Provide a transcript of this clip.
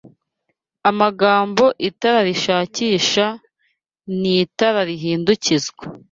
Amagambo itara rishakisha n'itara rihindukizwa